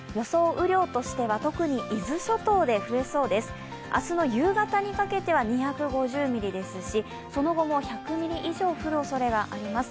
雨量としては、特に伊豆諸島で増えそうです、明日の夕方にかけては２５０ミリですしその後も１００ミリ以上降るおそれがあります。